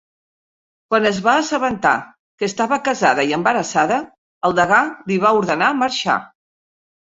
Quan es van assabentar que estava casada i embarassada, el degà li va ordenar marxar.